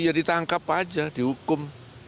ya ditangkap aja dihukum